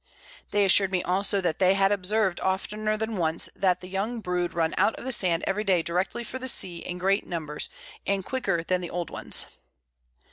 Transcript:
They assured me also, that they had observed oftener than once, that the young Brood run out of the Sand every day directly for the Sea in great Numbers, and quicker than the old ones. [Sidenote: _At Anchor at Tres Marias.